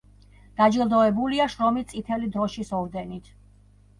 დაჯილდოებულია შრომის წითელი დროშის ორდენით.